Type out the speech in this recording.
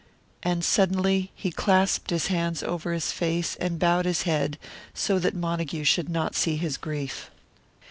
And suddenly he clasped his hands over his face, and bowed his head, so that Montague should not see his grief.